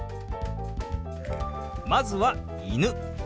まずは「犬」。